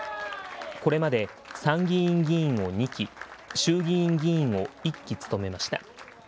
これまで参議院議員を２期、衆議院議員を１期務めました。